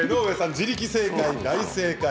自力正解、大正解。